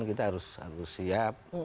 kita harus siap